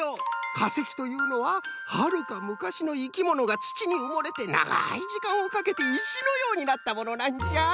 かせきというのははるかむかしのいきものがつちにうもれてながいじかんをかけていしのようになったものなんじゃ。